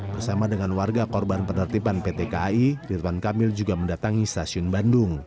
bersama dengan warga korban penertiban pt kai ridwan kamil juga mendatangi stasiun bandung